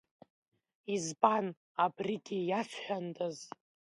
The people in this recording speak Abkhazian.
Избан, абригьы иасҳәандаз!